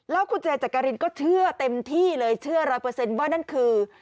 แล้วคุณเจจักรินก็เชื่อเต็มที่เลยเชื่อร้อยเปอร์เซ็นต์ว่านั่นคือ